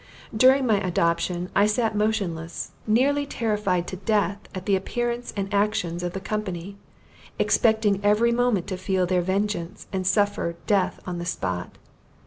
During my adoption, I sat motionless, nearly terrified to death at the appearance and actions of the company, expecting every moment to feel their vengeance, and suffer death on the spot.